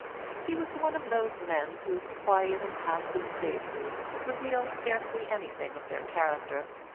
He was one of those men whose quiet impassive faces reveal scarcely anything of their character.